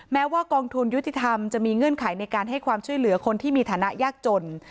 แม้ว่ากองทุนยุติธรรมจะมีเงื่อนไขในการให้ความช่วยเหลือคนที่มีฐานะยากจน